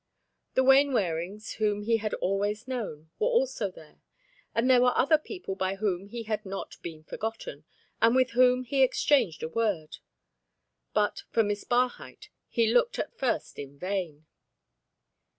The Wainwarings, whom he had always known, were also there, and there were other people by whom he had not been forgotten, and with whom he exchanged a word, but for Miss Barhyte he looked at first in vain.